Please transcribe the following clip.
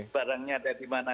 barangnya ada dimana